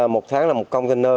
một tháng là một container